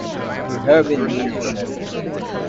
You have been mean and shabby.